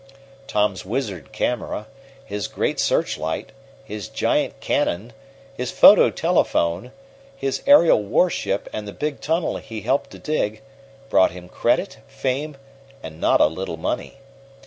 Tom's wizard camera, his great searchlight, his giant cannon, his photo telephone, his aerial warship and the big tunnel he helped to dig, brought him credit, fame, and not a little money.